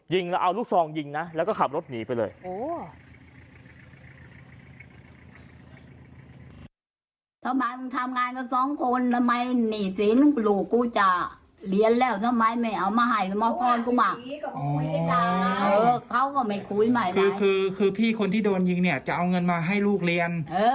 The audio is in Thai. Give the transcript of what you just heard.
ยิงแล้วเอาลูกซองยิงนะแล้วก็ขับรถหนีไปเลย